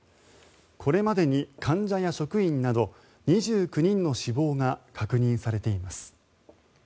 これまでに患者や職員など２９人の死亡が確認されています。